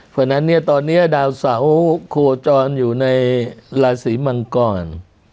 เพราะฉะนั้นเนี่ยตอนนี้ดาวเสาโคจรอยู่ในราศีมังกร